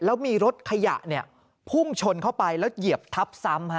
แล้วมีรถขยะพุ่งชนเข้าไปแล้วเหยียบทับซ้ำ